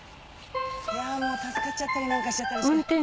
いやもう助かっちゃったりなんかしちゃったりして。